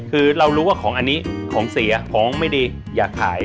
คือเรารู้ว่าของอันนี้ของเสียของไม่ดีอยากขาย